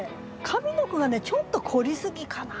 上の句がねちょっと凝りすぎかな。